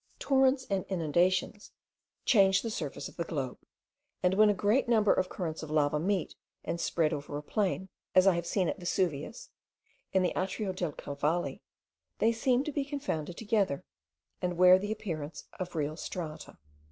Torrents and inundations change the surface of the globe, and when a great number of currents of lava meet and spread over a plain, as I have seen at Vesuvius, in the Atrio dei Cavalli, they seem to be confounded together, and wear the appearance of real strata.